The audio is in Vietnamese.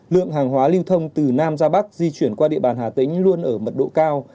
lượng hàng hóa lưu thông từ nam ra bắc di chuyển qua địa bàn hà tĩnh luôn ở mật độ cao